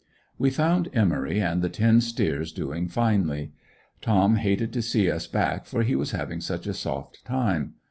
We found Emory and the ten steers doing finely. Tom hated to see us back for he was having such a soft time.